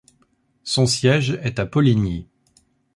Son siège est à Poligny.